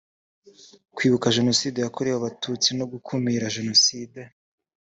kwibuka jenoside yakorewe abatutsi no gukumira jenoside